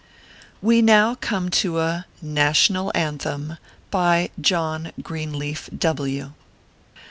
We now come to a NATIONAL ANTHEM. BY JOHN GREEXLEAF W